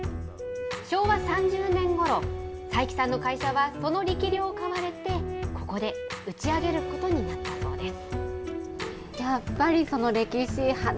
昭和３０年ごろ、齊木さんの会社はその力量を買われて、ここで打ち上げることになったそうです。